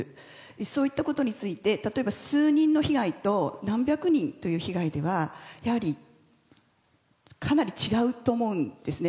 そういったことについて、例えば数人の被害と、何百人という被害ではやはりかなり違うと思うんですね。